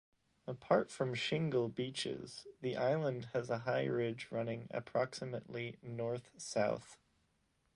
Apart from shingle beaches, the island has a high ridge running approximately north-south.